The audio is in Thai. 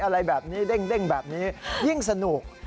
อะไรแบบนี้เด้งแบบนี้ยิ่งสนุก